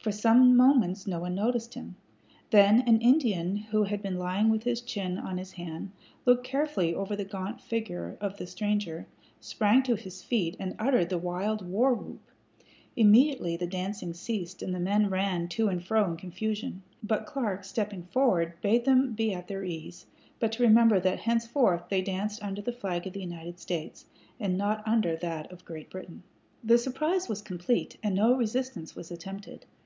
For some moments no one noticed him. Then an Indian who had been lying with his chin on his hand, looking carefully over the gaunt figure of the stranger, sprang to his feet, and uttered the wild war whoop. Immediately the dancing ceased and the men ran to and fro in confusion; but Clark, stepping forward, bade them be at their ease, but to remember that henceforth they danced under the flag of the United States, and not under that of Great Britain. The surprise was complete, and no resistance was attempted.